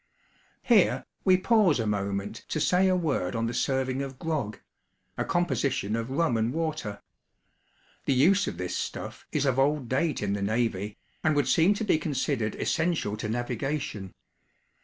Here, we pause a moment, to say a word on the serving of grog a composition of rum and water. The use of this stuff is of old date in the navy, and would seem to be considered essential to navigation.